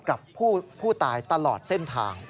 กับผู้ตายตลอดเส้นทาง